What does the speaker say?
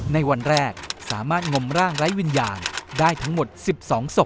ในวันแรกสามารถงมร่างไร้วิญญาณได้ทั้งหมด๑๒ศพ